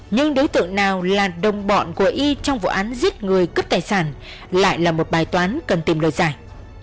nhưng đối tượng nào là đồng bọn của y trong vụ án giết người cướp tài sản lại là một bài toán cần tìm lời giải